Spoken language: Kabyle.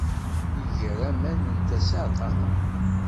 Iger aman n tasa aṛqaqen.